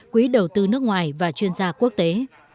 quỹ đầu tư nước ngoài và chuyên gia quốc tế